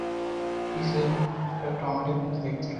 কিছুটা টম্যাটোর মতো দেখতে।